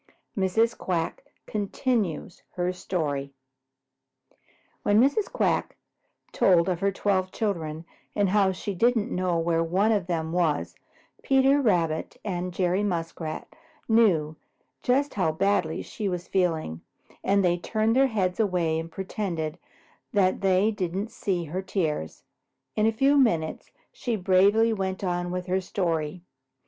IV MRS. QUACK CONTINUES HER STORY When Mrs. Quack told of her twelve children and how she didn't know where one of them was, Peter Rabbit and Jerry Muskrat knew just how badly she was feeling, and they turned their heads away and pretended that they didn't see her tears. In a few minutes she bravely went on with her story.